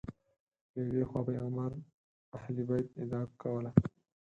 له یوې خوا پیغمبر اهل بیت ادعا کوله